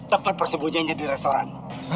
tempat persebutnya yang jadi restoran